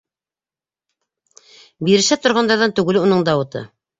Бирешә торғандарҙан түгел уның Дауыты.